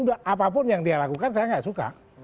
apapun yang dia lakukan saya nggak suka